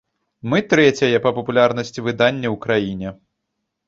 Мы трэцяе па папулярнасці выданне ў краіне.